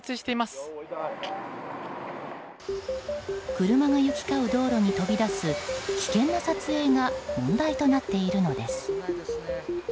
車が行き交う道路に飛び出す危険な撮影が問題となっているのです。